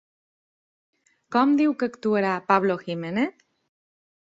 Com diu que actuarà Pablo Jiménez?